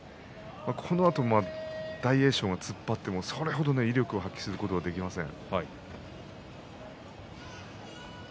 このあと大栄翔は突っ張ってもそれほど威力を発揮することできません。